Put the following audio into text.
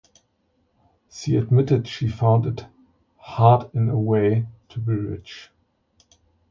She admitted she found it "hard in a way" to be rich.